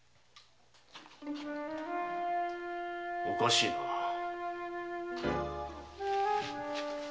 おかしいな？